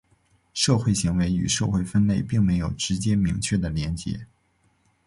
社会行为与社会分类并没有直接明确的连结。